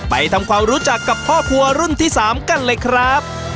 ไปทำความรู้จักกับพ่อครัวรุ่นที่๓กันเลยครับ